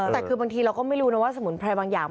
แต่คือบางทีเราก็ไม่รู้นะว่าสมุนไพรบางอย่าง